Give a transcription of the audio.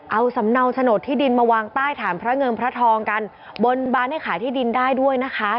เอาสำเนาโฉนดที่ดินมาวางใต้ฐานพระเงินพระทองกันบนบานให้ขายที่ดินได้ด้วยนะคะ